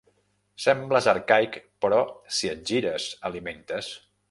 Sembles arcaic però si et gires alimentes.